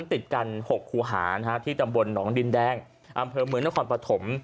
ติดกัน๖คูหาที่ตำบลหนองดินแดงอำเภอเมืองนครปฐม